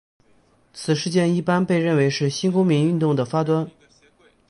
此事件一般被认为是新公民运动的发端。